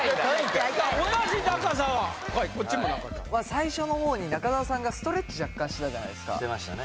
最初の方に中澤さんがストレッチ若干してたじゃないですかしてましたね